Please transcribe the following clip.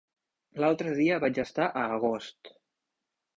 L'altre dia vaig estar a Agost.